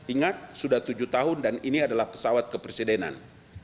ingat sudah tujuh tahun dan ini adalah pesawat kepresidenan